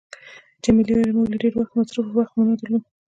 جميلې وويل: موږ له ډېره وخته مصروفه وو، وخت مو نه درلود.